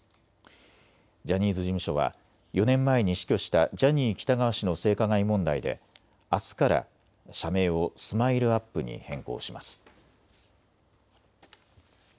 ジャニーズ事務所は４年前に死去したジャニー喜多川氏の性加害問題であすから社名をＳＭＩＬＥーＵＰ．に変更します。